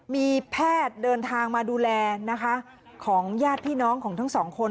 มีแพทย์เดินทางมาดูแลนะคะของญาติพี่น้องของทั้งสองคน